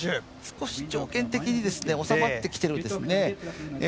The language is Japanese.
少し条件的に収まってきてるんですね。